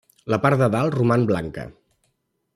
La part de dalt roman blanca.